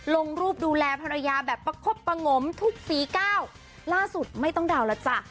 ลงรูปดูแลภรรยาแบบประคบประงมทุกฝีก้าวล่าสุดไม่ต้องเดาแล้วจ้ะ